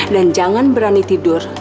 dan jangan berani tidur